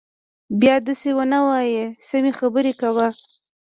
بيا دسې ونه وايي سمې خبرې کوه.